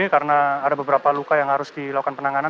karena ada beberapa luka yang harus dilakukan penanganan